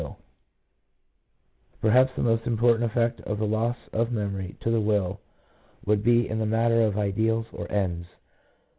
109 Perhaps the most important effect of the loss of memory to the will would be in the matter of ideals or ends.